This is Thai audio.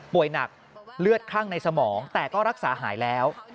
หนักเลือดคั่งในสมองแต่ก็รักษาหายแล้ว